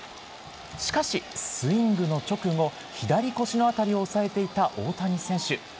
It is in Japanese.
しかし、スイングの直後左腰の辺りを押さえていた大谷選手。